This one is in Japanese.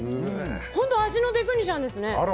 本当、味のテクニシャンですね。